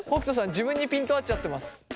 自分にピント合っちゃってます。